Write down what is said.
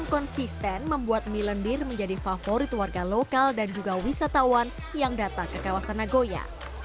konsisten membuat mie lendir menjadi favorit warga lokal dan juga wisatawan yang datang ke kawasan nagoya